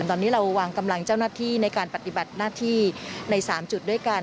ตอนนี้เราวางกำลังเจ้าหน้าที่ในการปฏิบัติหน้าที่ใน๓จุดด้วยกัน